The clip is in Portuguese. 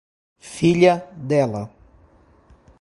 Filha dela